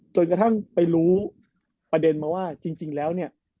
จนกระทั่งไปรู้ประเด็นมาว่าจริงแล้วเนี่ย